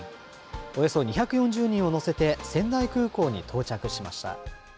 およそ２４０人を乗せて、仙台空港に到着しました。